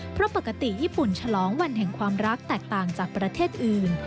เพราะปกติญี่ปุ่นฉลองวันแห่งความรักแตกต่างจากประเทศอื่น